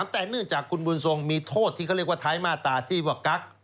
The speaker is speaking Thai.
แต่เนื่องจากคุณบุญทรงมีโทษที่เขาเรียกว่าท้ายมาตราที่ว่ากั๊ก